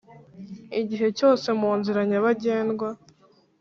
Igihe cyose munzira nyabagendwa